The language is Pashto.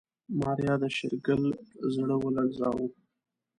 ماريا د شېرګل زړه ولړزاوه.